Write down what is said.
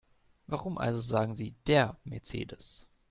Warum also sagen Sie DER Mercedes?